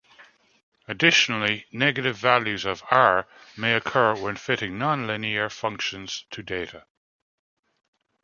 Additionally, negative values of "R" may occur when fitting non-linear functions to data.